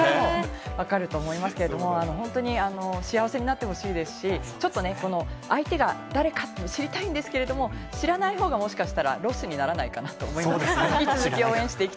それからも分かると思いますけれども、本当に幸せになってほしいですし、ちょっと相手が誰かというのを知りたいんですけれど、知らない方がもしかしたらロスにならないかな？と思います。